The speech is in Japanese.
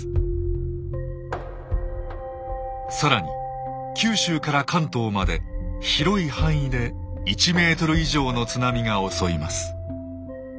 更に九州から関東まで広い範囲で１ｍ以上の津波が襲います。